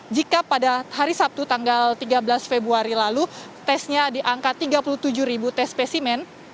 jika pada hari sabtu tanggal tiga belas februari lalu tesnya di angka tiga puluh tujuh ribu tes spesimen